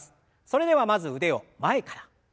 それではまず腕を前から。